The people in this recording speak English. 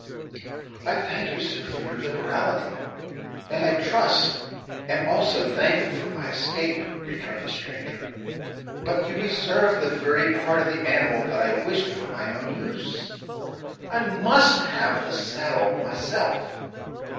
"I thank you, sir, for your liberality, and, I trust, am also thankful for my escape," returned the stranger; "but you reserve the very part of the animal that I wished for my own use. I must have the saddle myself."